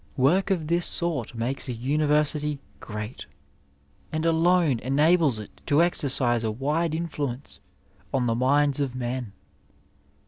Work of this sort makes a University great, and alone enables it to exercise a wide influence on the minds of men.